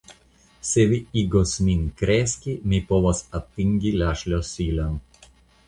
Se vi igos min kreski, mi povos atingi la ŝlosilon.